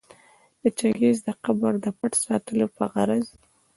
د چنګیز د قبر د پټ ساتلو په غرض